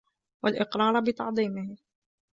وَالْإِقْرَارَ بِتَعْظِيمِهِ